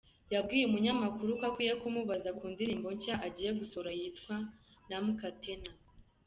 Yabwiye umunyamakuru ko akwiye kumubaza ku ndirimbo nshya agiye gusohora yitwa Naamka Tena.